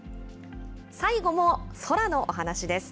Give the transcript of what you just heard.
最後も空のお話です。